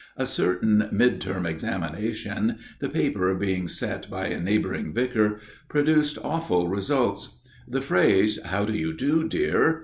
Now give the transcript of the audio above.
A certain mid term examination the paper being set by a neighbouring vicar produced awful results. The phrase, "How do you do, dear?"